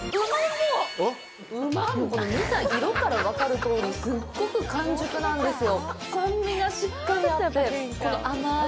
もうこの見た色から分かるとおり、すっごく完熟なんですよ。